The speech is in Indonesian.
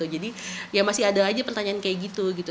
jadi ya masih ada aja pertanyaan kayak gitu